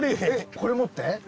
これ持って？